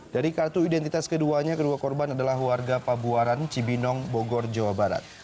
dari kartu identitas keduanya kedua korban adalah warga pabuaran cibinong bogor jawa barat